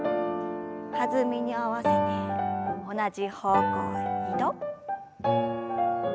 弾みに合わせて同じ方向へ２度。